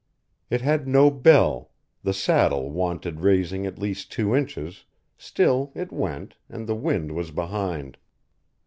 It had no bell, the saddle wanted raising at least two inches, still it went, and the wind was behind.